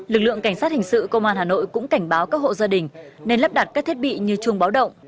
lực lượng cảnh sát hình sự công an hà nội cũng cảnh báo các hộ gia đình nên lắp đặt các thiết bị như chuông báo động